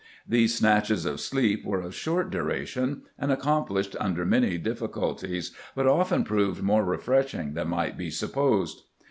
These snatches of sleep were of short duration and accomplished tmder many difficulties, but often proved more refreshing than might be supposed.